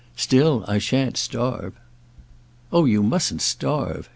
Still, I shan't starve." "Oh you mustn't _starve!